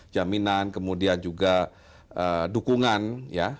jaminan kemudian juga dukungan ya